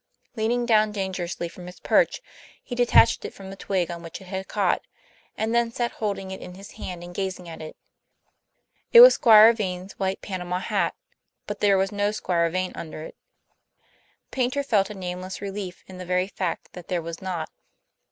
Leaning down dangerously from his perch, he detached it from the twig on which it had caught, and then sat holding it in his hand and gazing at it. It was Squire Vane's white Panama hat, but there was no Squire Vane under it. Paynter felt a nameless relief in the very fact that there was not.